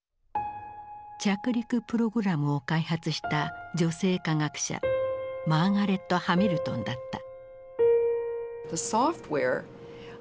着陸プログラムを開発した女性科学者マーガレット・ハミルトンだった。